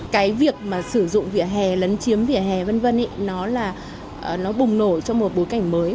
cái việc mà sử dụng vỉa hè lấn chiếm vỉa hè v v nó là nó bùng nổ trong một bối cảnh mới